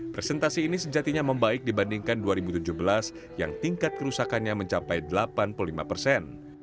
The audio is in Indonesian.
presentasi ini sejatinya membaik dibandingkan dua ribu tujuh belas yang tingkat kerusakannya mencapai delapan puluh lima persen